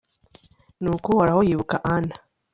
nuko uhoraho yibuka ana